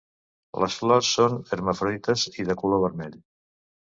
Les flors són hermafrodites i de color vermell.